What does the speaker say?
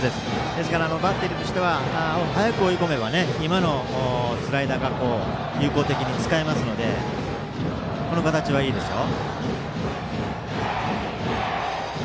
ですから、バッテリーとしては早く追い込めば今のスライダーが有効的に使えますのでこの形はいいですよ。